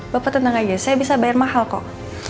bapak tenang aja saya bisa bayar mahal kok